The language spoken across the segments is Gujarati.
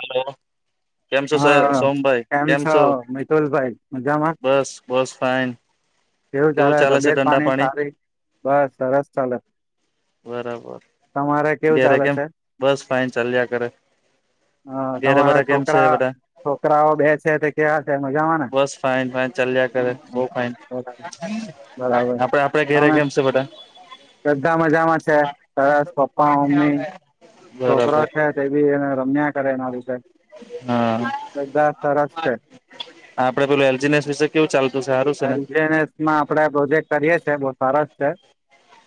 હલો. કેમ છો સર હા સોમભાઈ કેમ છો? મિતુલભાઈ મજામાં બસ બસ ફાઈન. કેવું ચારે તબિયત પાણી સારી? બસ સરસ ચાલે. બરાબર. તમારે કેવું ચાલે છે? ફાઈ ચાલ્યા કરે. અ ઘેરે તમારા બધા કેમ છે છોકરા બધા? છોકરાઓ બે છે તે કેવા છે મજામાં ને બસ ફાઇન- ફાઇન ચાલ્યા જ કરે બહુ ફાઇન. બરાબર બરાબર. આપડે- આપડે ઘરે તમે કેમ છે બધા? બધા મજામાં છે. સરસ પપ્પા- મમ્મી. બરાબર છોકરા છે તે બી એને રમ્યા કરે એના લીધે. હા બધા સરસ છે. આપડે પેલું એલજીનેસ વિશે કેવું ચાલતું છે સારું છે ને આપડે પ્રોજેક્ટ કરીય? છે બ સરસ છે.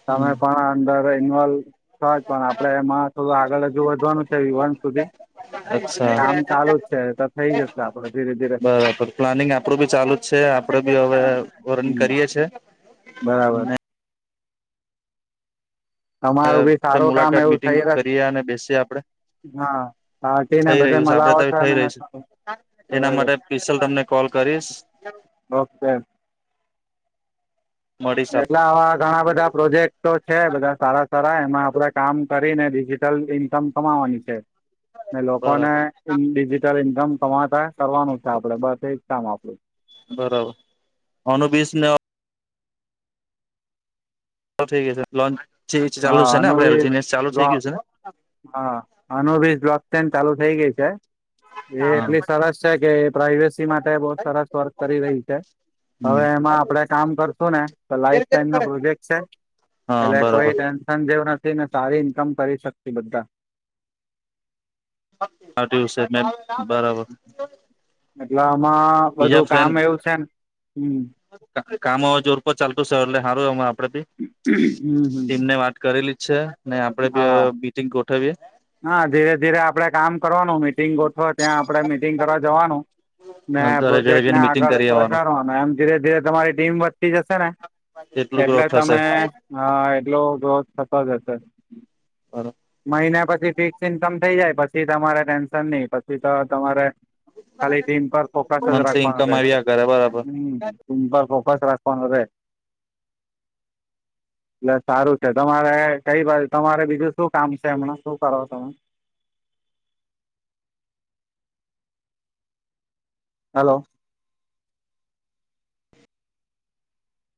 તમે હમ પણ અંદર ઇન્વોલ્વ છ પણ આપડે એમાં તો આગળ હજુ વધવાનું છે વિવાન સુધી ને અચ્છા કામ ચાલુ જ છે તો થઈ જશે આપડે ધીરે ધીરે બરાબર પ્લાનિંગ આપડું બી ચાલુ જ છે. આપડે બી હવે રન હમ કરીએ જ છે. બરાબર. તમારું બી સારું કામ મુલાકાત એવું મિટિંગ થઈ રહ--. કરીએ અને બેસીએ આપડે હા પારટી ને થઈ બધે રહ્યું છે આપડે તો મલાવટ થઈ ને રહ્યું છે એના બરાબર માટે પિશલ તમને કોલ કરીશ ઓકે મળીશ આપ એટલા આવા ઘણા બધા પ્રોજેક્ટો છે બધા સારા સારા એમાં આપણે કામ કર ડિજિટલ ઇનકમ કમાવાની છે. ને લોકોને બરાબર ઈન ડિજિટલ ઇન્કમ કમાતા કરવાનું છે આપડે બસ કામ આપડું બરાબર અનુ બીસ ને [unintelligible] થઈ ગયું છે લોચ હા ચાલુ છે ને [unintelligible] અનુ આપડે એલજીસ ચાલુ થઈ ગયું છે ને હા આનું બી બ્લોક ટાઇમ ચાલુ થઇ ગઈ છે. એ હા એટલી સરસ છે કે પ્રાઈવેસી માટે બહુ સરસ વર્ક કરી રહી છે. હમ હવે એમાં આપડે કામ કરશું ને તો લાઈફ ટાઈમ નો પ્રોજેક્ટ છે. હા એટલે કોઈ બરાબર ટેન્શન જેવું નથી ને સારી ઇન્કમ કરી શકતી બધા આ દિવસ મે બરાબર એટલામાં બીજા બધું ફ્રેન્ડ કામ એવું છે ને કામ હ જોર પર ચાલતું છે એટ સારું એમાં આપડે ભી હમ હમ ટીમને વાત કરેલી જ છે ન આપડે બી હા બીટિંગ ગોઠવીયએ મિટિંગ ગોઠવા ત્યાં આપડે મિટિંગ કરવા જવાનું ના ઘરે ઘરે પ્રોજેક્ટને જઈને મીટિંગ આગળ કરી આવવાનું વધારવાનું એમ ધીરે ધીરે તમારી ટીમ વધતી જશે ને કેટલું ગ્રોથ એટલે થશે તમે એટલો ગોથ થતો જ હશે મહિના પછી ફિક્સ ઇન્કમ થઇ જાય પછી તમારે ટેન્શન નહી પછી તો તમારે ખાલી ટીમ પર ફકાસ જ મંથલી રાખવાનો ઇન્કમ રહેશે આવ્યા કરે બરાબર હમ પર સ રાખવાનું રહે એટલે સારું છે તમારે કઈ બાજુ તમારે બીજું શું કામ છે હમણાં શું કરો તમે હલો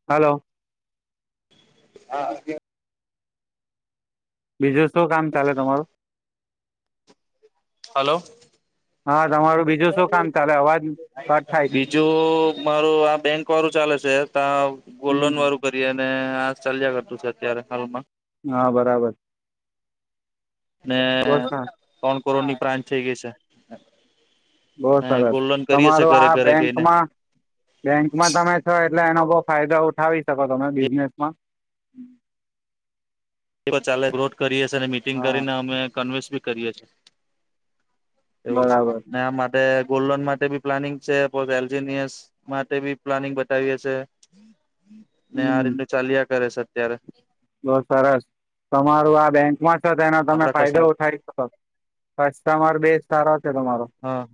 હાલો હા બીજું શું કામ ચાલે તમારું હલો હા તમારું બીજું શું કામ ચાલે અવાજ કટ થાય બીજું મારું આ બેંક વાળું ચાલે છે ત ગોલ્ડન વાળું હમ કરી અને આ ચાલ્યા કરતું છે અત્યારે હાલમાં હા બરાબર ને બહુ સરસ ત્રણ કરોડની પ્રાંત થઈ ગઈ છે બહ ને સરસ ગોલ્ડ લોન કરીએ છે તમારું ઘરે આ ઘરે ગઈને બેંકમાં બેંકમાં તમે છો એટલે એનો બ ફાયદો ઉઠાવી શકો તમે બિઝનેસમાં ચાલે વિોધ કરીએી અને મીટિંગ હા કરીને અમે કન્વેન્સ બી કરીએ છીએ એવું બરાબર ના માટે આપ ગોલ્ડ લોન માટે બી પ્લાનિંગ છે એલજીનિયસ માટે બી પ્લાનિંગ બતાવીએ છે ને આ રીતનું ચાલ્યા કરે છે અત્યારે બહું સરસ તમારું આ બેંકમાં તો તેનો તમે આપડા કશે ફાયદો ઉઠાવી શકો કસ્ટમર બે સારો છે તમારો હા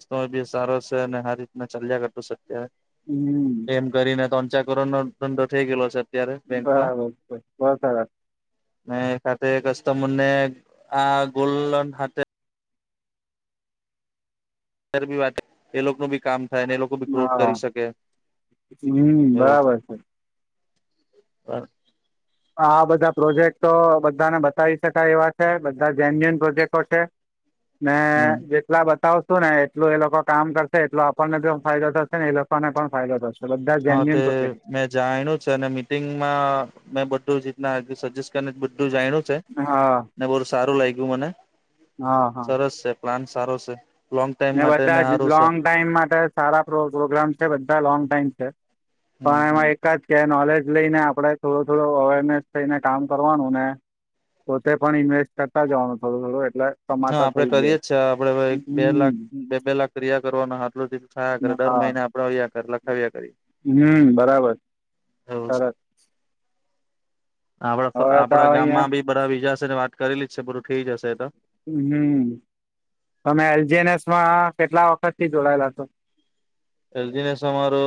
રસ્તો બી સારો છે અને હરી રીતના ચાલ્યા કરતું છે અત્યારે. હમ એમ કરીને તણ ચાર કરોડ નો ધંધો થઈ ગયેલો છે. અત્યારે બેંકમાં બરાબર [unintelligible] ને એક હતે કસ્ટમરને આ ગોલ્ન હાતે [unintelligible] બીવાત એ લોકો નું ભી કામ થાય ને એ લોકો બી ક્રોધ હા કરી શકે હમ એવું બરાબર છે હ આ બધા પ્રોજેક્ટો બધાને બતાવી શકાય એવા છે બધા જેન્યુન પ્રોજેક્ટો છે મે હમ જેટલા બતાવ ું ને એટલું એ લોકો કામ કરશે એટલો આપણને પણ ફાયદો થશે ને એ લોકોને પણ ફાયદો થશે બધા હા જેન્યુન તે પ્રોજેક્ટ મેં જાણી્યું છે અને મીટિંગમાં મેં બધું જ ના સજેસ્ટ કરીને બધું જાણ્યું છે હા ને બહુ સારું લાગ્યું મને હા હા સરસ છે પ્લાન સારો છે લોંગ ટાઈમ માટે ને બધા જ સારું છે લોંગ ટાઈમ માટે સારા પ્રોગ્રામ છે બધા લોંગ ટાઈમ છે હમ પણ હમ એમાં એક જ કે નોલેજ એ લઈને આપણેે થોડો થોડો અવેરનેસ થઈને કામ કરવાનું ને પોતે પણ ઇન્વેસ્ટ કરતા જવાનું થોડું થોડું એટલે હા કમાતા આપડે થઈ જઈએ. કરીયે જ છે આપડે હવે એક બે લાખ હમ્મ બે પેલા ક્રિયા કરવાનો આટલું થાયા કરે દર હા મહિના આપડ આવ્યા કરે લખાવ્યા કરીએ. હમ્મ બરાબર. એવું છે. સરસ આપડા હવે તો આપડા અહિયાં ગામમાં બી બધા બીજાશે ને વાત કરેલી જ છે બરું ઠઈ જશે તો. હમ્મ તમે એલજીનસમાં કેટલા વખત થી જોડાયેલા હતો. એલજી નસમા મારો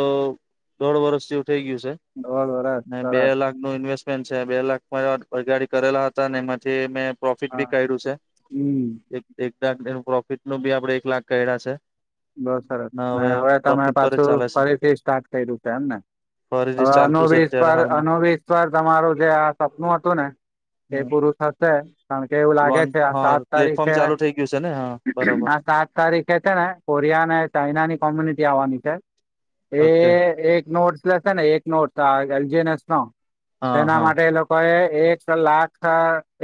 દોઢ વર્ષ થયું. થઈ ગયું દોઢ વરસ છે બે ને સરસ લાખ ન ઇન્વેસ્ટ પેન છે બે લાખ આ ગાડી કરેલા હતા ને એમાંથી મેં પ્રોફિટ બી હા કર્યું છે હમ્મ એક લાખ પ્રોફિટ નું બી આપડે એક લાખ કર્યા છે. બો સરસ ને હવે તમે પ્રોફિટ પર જ પાછું ચાલે છે ફરીથી સ્ટાર્ટ કર્યું છે એમ ને. ફરીથી હવે ચાલતું છે અત્યારે અનુવિશ્વાર હાલમાં આનો વિશ્વાસ તમારું જે આ સપનું હતું ને. એ હમ પૂરું થશે કારણ કે એવું લાગે લોન છે આ હા સાત પ્લેટફોર્મ તારીખે ચાલુ થઈ ગયું છે ને હા બરોબર આ સાત તારીખ એ છે ને કોરિયા અને ચાઈના ની કોમ્યુનિટી આવવાની છે એ ઓકે એક નોટ ને એક નોટ એલજીનસ નો હા એના હા માટે એ લોકો એ એક લાખ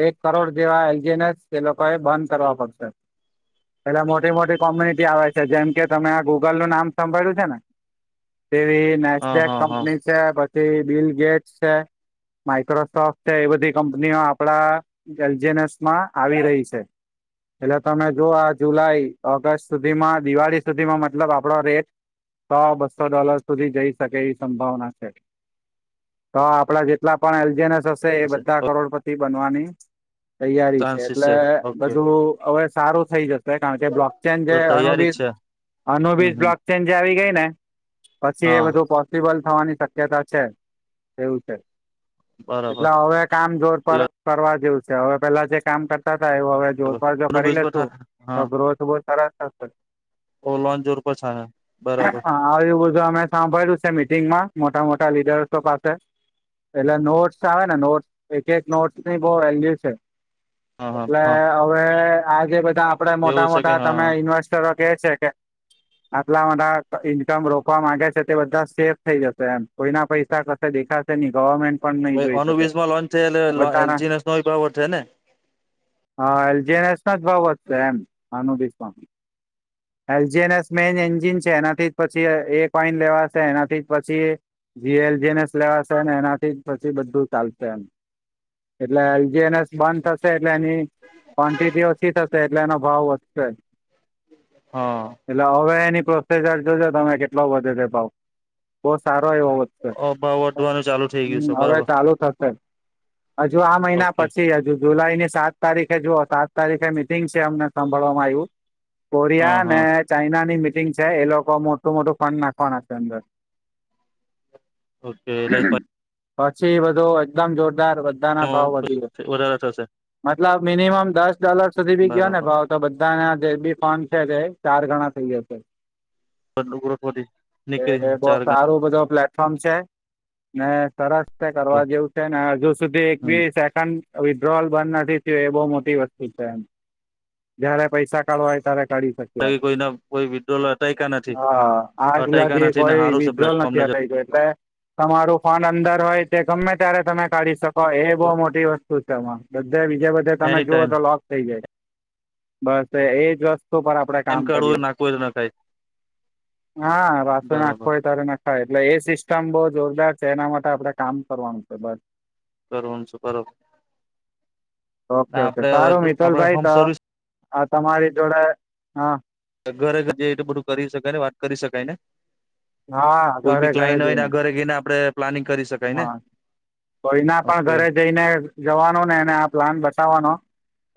એક કરોડ જેવા એલજીનસ એ લોકો એ બંધ કરવા પડશે. પેલા મોટી મોટી કોમ્યુનિટી આવે છે જેમ કે તમે આ ગૂગલ નું નામ સાભાળ્યું છે ને. તેવી હા નેસડેક હા હા કંપની છે પછી બિલ ગેટ છે. માઈક્રોસોફ્ટ એ બધી કંપનીઓ આપણા એલજીએનએસમાં આવી રહી છે. એટલે તમે જો આ જુલાઈ ઓગસ્ટ સુધીમાં દિવાળી સુધીમાં મતલબ આપડો રેટ તો સો બસ્સો ડોલર સુધી જઈ શકે એવી સંભાવના છે. તો આપડા જેટલા પણ એલજીનેસ થશે એ બધા કરોડપતિ બનવાની તૈયારી છે ચાન્સીસ એટલે ઓકે બધું હવે સારું થઈ જશે કારણ કે બ્લોક ચેન જે તૈયારી અનુબીજ જ છે હમ અનુબીજ હમ બ્લોકચેન જે આવી ગઈ. [unintelligible] પછી એ હા બધું પોસિબલ થવાની શક્યતા છે એવું છે. બરાબર એટલે હવે કામ જોર કરવા જેવું છે હવે પેલા જે કામ કરતા એવ હવે જોરાર જો બરાબર કરી બીજ પર લેશુ તો હા ગ્રોથ બહ સરસ થશે. ઓ લોન્ચ જોર પર છે બરાબર હા આવ બધું અમે સાંભળ્યું છે મીટિંગમાં. મોટા મોટા લીડર્સો પાસે એટલે નોટ્સ આવે ને નોટ્સ એક એક નોટ્સની બ બઉ વેલ્યુ છે. હા હા એટલે હા હવે આજે બધા આપડે મોટા એવું છે કે મોટા હા તમે ઇન્વેસ્ટરો કે છે કે આટલા માટે ઈન્કમ રોકવા માંગે છે તે બધા સેફ થઈ જશે એમ કોઈના પૈસા કશે દેખાની ગવર્મેન્ટ પણ નહી જોઈ કોનું શકે વિષ માં લોન્ચ છે એટલે બધાના એલજી [unintelligible] છે ને. હા એલજીનેસ ના જ ભાવ વધશે એમ આનું બીશ માં. એલજીનએસ મેન એન્જિન છે એનાથી જ પછી એક ઓઈન લેવાશે એનાથી જ પછી જી એલ જીનેશ લેવાશેને એનાથી પછી બધું ચાલશે એમ. એટલે એલજીનેસ બંધ થશે એટલે એની કોન્ટીટી ઓછી થશે એટલે એનો ભાવ વધશે. હા એટલે હવે એની પ્રો [unintelligible] જોજો તમે કેટલો વધે છે ભાવ બો સારો એવો ભાવ વધવાનું ચાલુ થઈ ગયું હમ છે હવે બરાબર ચાલુ થશે. હજુ આ મહિના ઓકે પછી હજુ જુલાઈ ની સાત તારીખ કે જુઓ સાત તારીખે મિટિંગ છે અમને સાંભળવામાં આવ્યું હા કોરિયા ને હા ચાઈનાની મિટ મિટિંગ છે એ લોકો મોટું મોટું ફંડ નાખવાના છે અંદર. ઓકે એટલે પા પછી બધો એકદમ જોરદાર બધાના ભાવ વધી ગયો. પછી વધારે થશે મતલબ મિનિમમ દસ ડોલર સુધી બી ગયો ને બરાબર ભાવ તો બધાને જે બી ફોન છે તે ચાર ગણા થઇ જશે. વધી એ નીકળી એ બો ચાર ગણા સારું બધા ફ્લેટ ફ્રોમ છે ને સરસ તે કરવા જેવું છે ને હજુ સુધી એક હમ બી સેકન્ડ વિડ્રોઅલ બંધ નથી થયું એ બહુ મોટી વસ્તુ છે એમ જયારે પૈસા કાઢવા હોય ત્યારે કાળી શક્યા કોઈના કોઈ વિડ્રોલ અટયકા નથી હા આ અટયકા રિયા નથી ને જોઈ સારું છે વિદ્રોવાલ ના પ્લેટફોર્મને કેસ એટલે તમારું ફોન અંદર હોય તે ગમે ત્યારે તમે કાઢી શકો એ બહુ મોટી વસ્તુ શું છે એમા બધે બીજે બધે તમે એની જુઓ ટાઈમ તો લોક થઈ જાય બસ એજ વસ્ તુ પણ આપણેે એમ કામ કરીએ. કાઢવું નાખવું એ નખાય હા વાસો બરાબર નાખો હોય તારે નાખાય એટલે એ સિસ્ટમ બઉ જોરદાર એના માટે આપડે કામ કરવાનું છે બસ. [unintelligible] ઓકે ઓકે આપડે સારું હવે આપડે મિતથુલભાઈ હોમ તો સર્વિસ આ તમારી જોડે હા. ઘરે જએ તો બધું કરી શકાય ને વાત કરી શકાય ને? હા કોઈ ઘરે બી ઘરે ક્લાઈન્ટ હોયને જઈને ઘરે ગઈને આપડે પ્લાનિંગ કરી શકાય હા ને. કોઈના પણ ઓકે ઘરે જઈને જવાનો ને એને આ પ્લાન બતાવવાનો.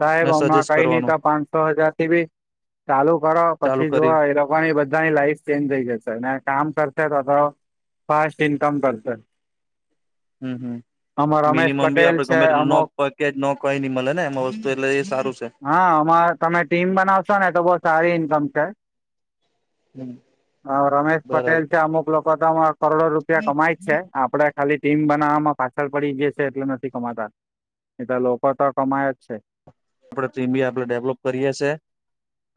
સાહેબ ને હમણા સજેસ્ટ કઈ ની કરવાનું તો પાંચસો હજારથી બી ચાલુ કરો ચાલુ પછી જુઓ કરી એ લોકો ની બધાની લાઈફ ચેન્જ થઈ જશે ને. કામ કરતે રહો ફાસ્ટ ઇન્કમ કરતે. હમ્મ હમ્મ. આમાં રમેશ મિનિમમ બી પટેલ આપડે છે ગમેતે નો અમુક પકેજ નો કઈની મળે ને એમાં વસ્તુ એટલે એ સારું છે. હ તમે ટીમ બનાવશો ને તો બો સારી ઇન્કમ છે હમ અ રમેશ પટેલ બરાબર છે અમુક લોકો તમા કરોડો રૂપિયા કમાય જ છે આપડે ખાલી ટીમ બનાવવામાં પાછળ પડી જઈશે એટલે નથી કમાતા. એતો લોકો તો કમાય જ છે. આપડે ટીમ બી આપણે ડેવલોપ કરીએ છે.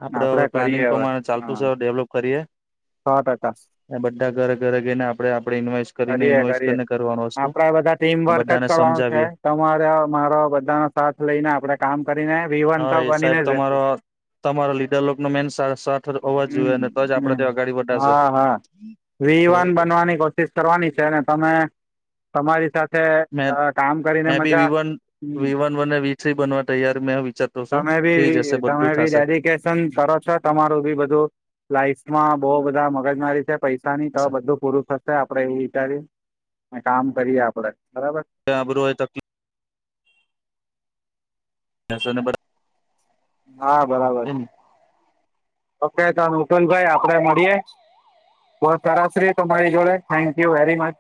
આપડે હવે પ્લાનિંગ કરીએ હવે પ્રમાણે ચાલતું હા છે હવે ડેવલપ કરીએ. સો ટકા. બધા ઘરે ઘરે ગઈને આપને આપડે ઇન્વેસ્ટ કરીને કરીએ કરીએ ઇન્વેસ્ટન કરવાન વસ્તુ આપડે બધા ટીમ બધાને સ [unintelligible] તમારે મારો બધા નો સાથ લઈને આપડે કામ કરીને [unintelligible] હા એ બનીને સાહેબ જ રેસુ. તમારો તમારા લીડર લોક નો મેન સાથ હોવા જોઈએને તો જ આપડે હમ. તી અગાડી બતાવશે. હા હા વી વન બનવાની કોશિશ કરવાની છે. તમે તમારી સાથે અ કામ કરીને મે બી મજા વિવન વિ વન અને વિ થ્રી બનવા તૈયાર મે હો વિચારતો છું થઈ જશે બ તમારી ડેડીકેશન. કરો છો. તમારું બી બધું લાઈફમાં બો બધા મગજ મારી છે, પૈસા [unintelligible] તો બધું પૂરું હશે આપડે એવું વિચારીએ અને કામ કરીએ આપડે. બરાબર આબરો એ તકલી [unintelligible] હા બરાબર. પક ત નુંટલ ભાઈ આપડે મળીએ. બઉ સરસ રહ્યુ તમારી જોડે થેન્કયુ વેરી મચ.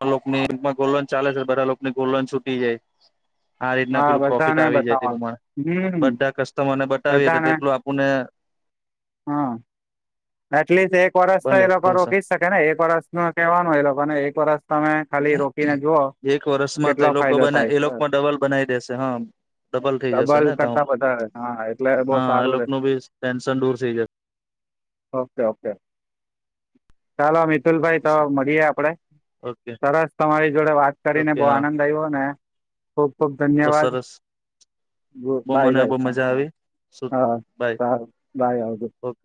આ લોક ને નીમાં ગોલન ચાલે છે બધા લોકોની ગોલન છૂટી જાય. આ રીતના હા પેલું પ્રોફિટ બધાને આવી જાય તેનું બતાવવાનું હમ બધા કસ્ટમરને બતાવીએ તો બધાને તેટલું આપુને. હા. એટલીસ્ટ એક વર્ષ તો એ ભલે લોકો એવું રોકી જ શકે ને એક વર્ષ ન કહેવાનું એ લોકોને એક વર્ષ તમે ખાલી રોકી. ને જોઓ. એક વર્ષમાં તો એ લોકો બને એ લોકોમાં ડબલ બનાવી દેશે હા. ડબલ થઈ જશે ને તો કરતા વધારે હા એટલે બહુ હા એ સારું રે લોકોનું બી ટેન્શન દૂર થઈ જાય. ઓકે ઓકે ચાલો મિતુલભાઈ તો જશે મળીએે આપડે ઓકે સરસ તમારી જોડે વાત કરીને ઓકે બહું હા આનંદ આવ્યો ને ખૂબ ખૂબ બહુ ધન્યવાદ સરસ બહુ બાય મને બાય બહુ હા મજા હા આવી શું હા બાય સારૂ બાય આવજો. ઓકે